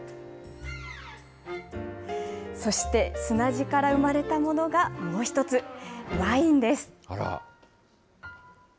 そして砂地から生まれたものがもう１つ、ワインです。